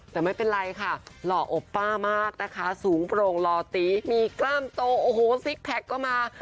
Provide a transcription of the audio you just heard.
แต่ไม่เป็นไรค่ะหล่ออบป้ามากนะคะสูงโปร่งหล่อตีมีกล้ามโตโอ้โหซิกแพคก็มา